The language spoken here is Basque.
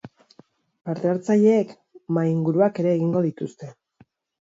Parte-hartzaileek mahai-inguruak ere egingo dituzte.